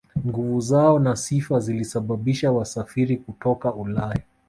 Nguvu zao na sifa zilisababisha wasafiri kutoka Ulaya